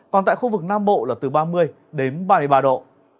còn tại khu vực nam bộ là từ ba mươi đến ba mươi ba độ